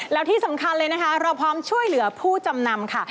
แล้วที่สำคัญเลยนะคะเราพร้อมช่วยเหลือผู้จำนำค่ะ